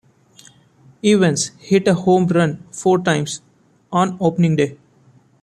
Evans hit a home run four times on Opening Day.